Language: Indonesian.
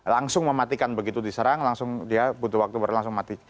langsung mematikan begitu diserang langsung dia butuh waktu langsung mati